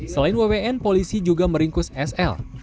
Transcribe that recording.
selain wwn polisi juga meringkus sl